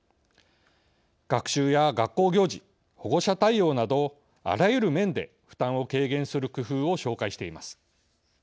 学習や学校行事、保護者対応などあらゆる面で負担を軽減する工夫を紹介しています。